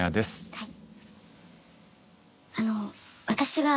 はい。